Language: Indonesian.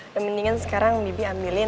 yang mendingan sekarang bibi ambilin